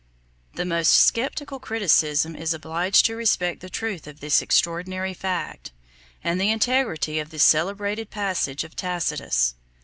1. The most sceptical criticism is obliged to respect the truth of this extraordinary fact, and the integrity of this celebrated passage of Tacitus.